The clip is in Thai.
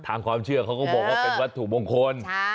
ทางความเชื่อเขาก็บอกว่าเป็นวัตถุมงคล